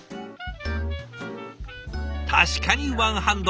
確かにワンハンド。